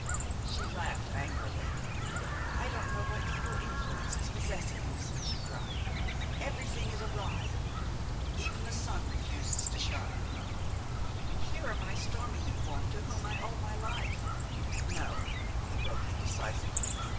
She laughed angrily. "I don't know what evil influence is possessing us," she cried. "Everything is awry. Even the sun refuses to shine. Here am I storming at one to whom I owe my life " "No," he broke in decisively.